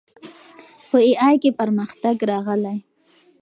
په اې ای کې پرمختګ راغلی.